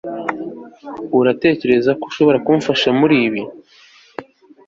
uratekereza ko ushobora kumfasha muri ibi